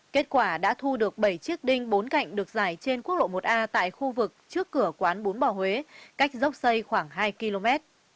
kết quả đã thu được bảy chiếc đinh bốn cạnh được giải trên quốc lộ một a tại khu vực trước cửa quán bốn bò huế cách dốc xây khoảng hai km